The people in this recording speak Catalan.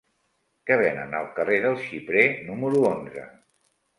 Què venen al carrer del Xiprer número onze?